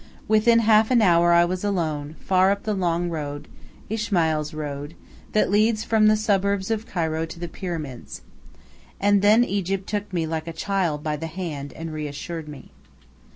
Within half an hour I was alone, far up the long road Ismail's road that leads from the suburbs of Cairo to the Pyramids. And then Egypt took me like a child by the hand and reassured me.